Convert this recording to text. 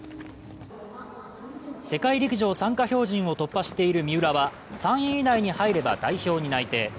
世界陸上参加標準を突破している三浦は３位以内に入れれば代表に内定。